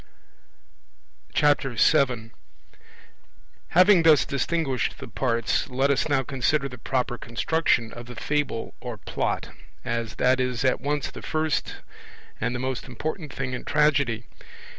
7 Having thus distinguished the parts, let us now consider the proper construction of the Fable or Plot, as that is at once the first and the most important thing in Tragedy.